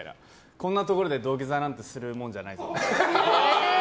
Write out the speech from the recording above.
こんなところで土下座なんてするもんじゃないぞと。